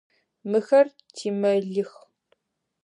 Мыхэр тимэлих.